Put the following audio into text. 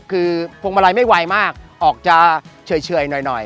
คือพวงมาลัยไม่ไวมากออกจะเฉยหน่อย